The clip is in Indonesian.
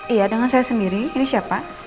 iya dengan saya sendiri ini siapa